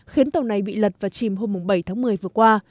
khiến tàu này bị lật và chìm hôm bảy tháng một mươi vừa qua